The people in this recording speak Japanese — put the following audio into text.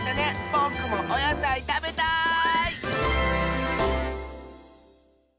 ぼくもおやさいたべたい！